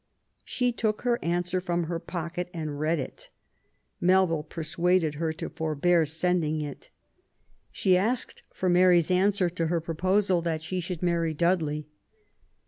*' She took her answer from her pocket and read it ; Melville persuaded her to forbear sending it. She asked for Mary's answer to her proposal that she should marry Dudley.